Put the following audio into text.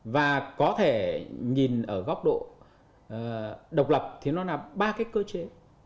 và có thể nhìn ở góc độ độc lập thì nó là ba cái cơ chế